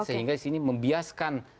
sehingga disini membiaskan